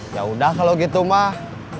yaudah kalau gitu mah